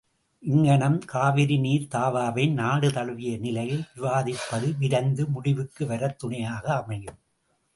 இங்ஙணம் காவிரி நீர் தாவாவை நாடுதழுவிய நிலையில் விவாதிப்பது விரைந்து முடிவுக்கு வரத் துணையாக அமையும்.